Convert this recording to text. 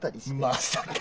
まさか。